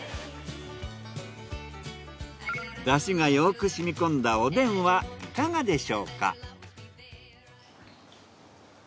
出汁がよく染み込んだおでんはいかがでしょうか。